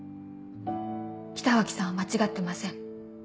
北脇さんは間違ってません。